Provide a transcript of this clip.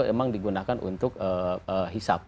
memang digunakan untuk hisap